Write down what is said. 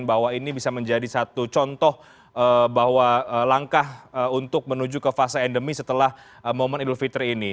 bahwa ini bisa menjadi satu contoh bahwa langkah untuk menuju ke fase endemi setelah momen idul fitri ini